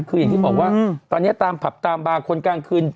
คืออย่างที่บอกว่าตอนนี้ตามผับตามบาร์คนกลางคืน